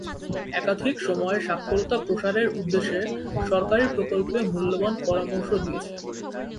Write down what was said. একাধিক সময়ে স্বাক্ষরতা প্রসারের উদ্দেশে সরকারি প্রকল্পে মূল্যবান পরামর্শ দিয়েছেন।